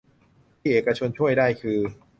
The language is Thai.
ที่เอกชนช่วยได้คือ